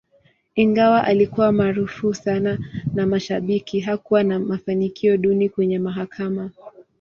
Ingawa alikuwa maarufu sana na mashabiki, hakuwa na mafanikio duni kwenye mahakama.